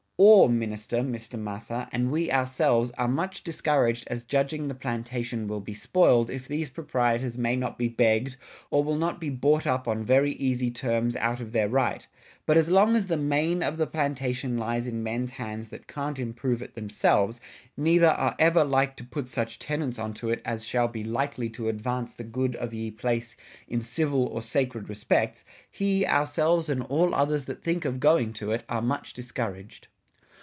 O{r} minister, Mr. Mather ...& we ourselves are much discouraged as judging the Plantation will be spoiled if thes proprietors may not be begged, or will not be bought up on very easy terms outt of their Right ... Butt as long as the maine of the plantation Lies in men's hands that can't improve it themselves, neither are ever like to putt such tenants on to it as shall be likely to advance the good of y{e} place in Civill or sacred Respects; he, ourselves, and all others that think of going to it, are much discouraged.